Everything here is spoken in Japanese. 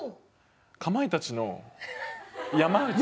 かまいたちの山内さん。